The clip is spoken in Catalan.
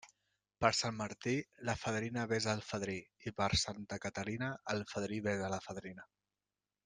Per Sant Martí, la fadrina besa al fadrí, i per Santa Caterina el fadrí besa a la fadrina.